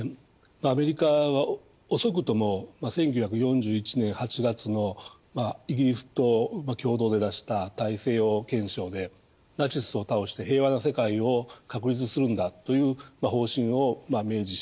アメリカは遅くとも１９４１年８月のイギリスと共同で出した大西洋憲章でナチスを倒して平和な世界を確立するんだという方針を明示しています。